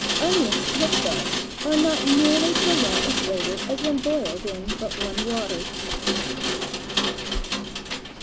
Onions cooked thus are not nearly so rank of flavor as when boiled in but one water.